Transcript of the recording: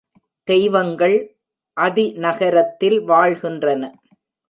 தெய்வங்கள் அதிநகரத்தில் வாழ்கின்றன.